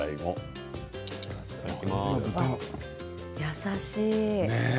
優しい。